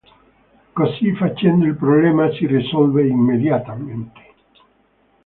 Così facendo, il problema si risolve immediatamente.